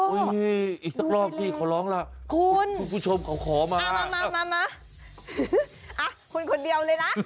ไปต่อพิธีกลางคืนเลย